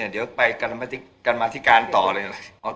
เดี๋ยวไปกันมาธิการต่อเลยนะ